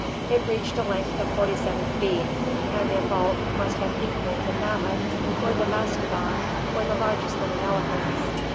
It reached a length of 47 feet, and in bulk must have equalled the mammoth or the mastodon or the largest living elephants.